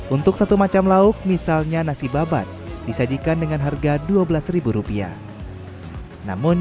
untuk satu macam lauk misalnya nasi babat disajikan dengan harga dua belas rupiah namun